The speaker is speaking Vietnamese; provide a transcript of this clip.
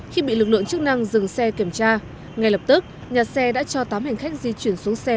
khi bị lực lượng chức năng dừng xe kiểm tra ngay lập tức nhà xe đã cho tám hành khách di chuyển xuống xe